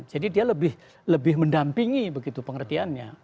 jadi dia lebih mendampingi begitu pengertiannya